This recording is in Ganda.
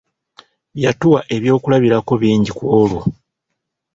Yatuwa eby'okulabirako bingi kwolwo.